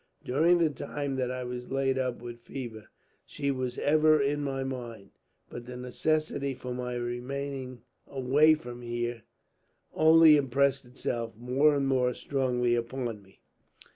During the time that I was laid up with fever, she was ever in my mind; but the necessity for my remaining away from here only impressed itself, more and more strongly, upon me.